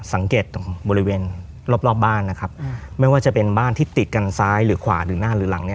สังเกตตรงบริเวณรอบรอบบ้านนะครับไม่ว่าจะเป็นบ้านที่ติดกันซ้ายหรือขวาหรือหน้าหรือหลังเนี่ย